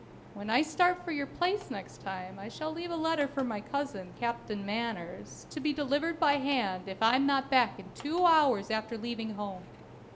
When I start for your place next time, I shall leave a letter for my cousin, Captain Manners, to be delivered by hand if I'm not back in two hours after leaving home.